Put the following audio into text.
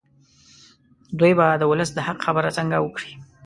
دوی به د ولس د حق خبره څنګه وکړي.